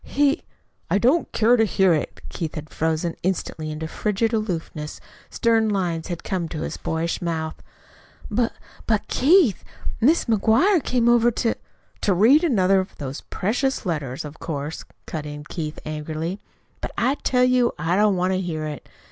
He " "I don't care to hear it." Keith had frozen instantly into frigid aloofness. Stern lines had come to his boyish mouth. "But but, Keith, Mrs. McGuire came over to " "To read another of those precious letters, of course," cut in Keith angrily, "but I tell you I don't want to hear it.